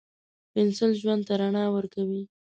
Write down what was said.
• بښل ژوند ته رڼا ورکوي.